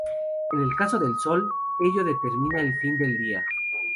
En el caso del Sol, ello determina el fin del día.